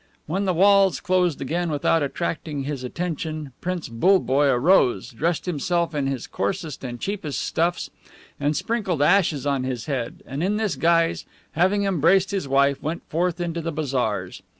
When the walls closed again without attracting his attention, Prince BULLEBOYE arose, dressed himself in his coarsest and cheapest stuffs, and sprinkled ashes on his head, and in this guise, having embraced his wife, went forth into the bazaars.